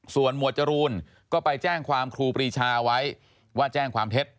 ส่วนหมวดจรูนก็ไปแจ้งความครูปรีชาไว้ว่าแจ้งความเท็จ